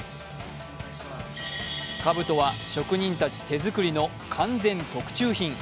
かぶとは職人たち手作りの完全特注品。